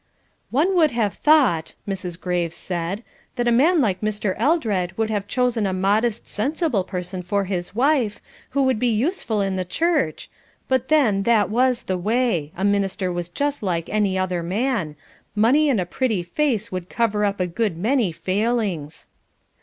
"One would have thought," Mrs. Graves said, "that a man like Mr. Eldred would have chosen a modest, sensible person for his wife, who would be useful in the church, but then, that was the way, a minister was just like any other man, money and a pretty face would cover up a good many failings."